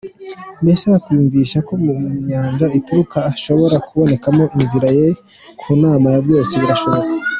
Mbese wakwiyumvisha ko mu nyanja itukura hashobora kubonekamo inzira? Yee ku mana byose birashoboka.